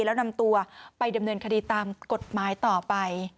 แล้วนำตัวไปดำเนินคดีตามกฎหมายต่อไป